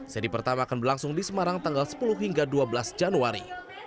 seri pertama akan berlangsung di semarang tanggal sepuluh hingga dua belas januari